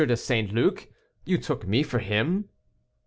de St. Luc you took me for him?"